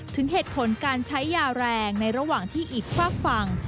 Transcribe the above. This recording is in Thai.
ถึงเหตุผลการใช้ยาแรงในระหว่างที่อีกฝากฝั่ง